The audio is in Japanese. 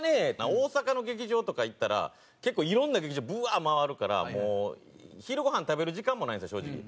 大阪の劇場とか行ったら結構いろんな劇場ブワーッ回るからもう昼ごはん食べる時間もないんですよ正直。